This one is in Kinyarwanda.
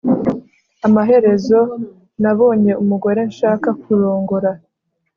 Amaherezo nabonye umugore nshaka kurongora